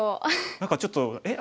何かちょっとえっ？